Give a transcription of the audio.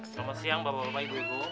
selamat siang bapak bapak ibu ibu